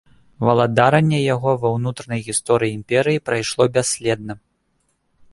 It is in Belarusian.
Валадаранне яго ва ўнутранай гісторыі імперыі прайшло бясследна.